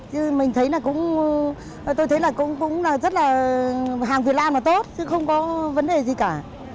chứ mình thấy là cũng tôi thấy là cũng là rất là hàng việt nam là tốt chứ không có vấn đề gì cả